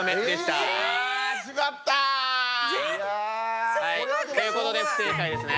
全然分かんない！ということで不正解ですね。